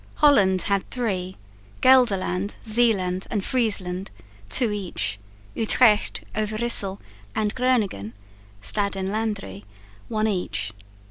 Holland had three; Gelderland, Zeeland and Friesland two each; Utrecht, Overyssel and Groningen (Stad en Landeri) one each.